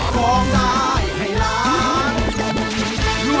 คร่ายไปดิฐ์เลย